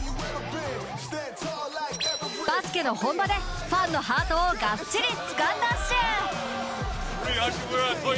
バスケの本場でファンのハートをガッチリつかんだっシュ。